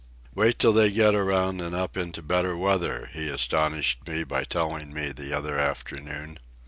"Wait till they get around and up into better weather," he astonished me by telling me the other afternoon.